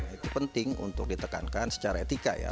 itu penting untuk ditekankan secara etika ya